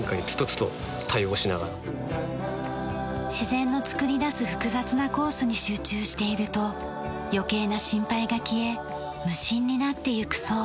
自然の作り出す複雑なコースに集中していると余計な心配が消え無心になっていくそう。